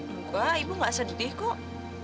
enggak ibu gak sedih kok